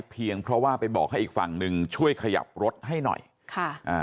เพียงเพราะว่าไปบอกให้อีกฝั่งหนึ่งช่วยขยับรถให้หน่อยค่ะอ่า